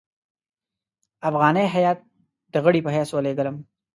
افغاني هیات د غړي په حیث ولېږلم.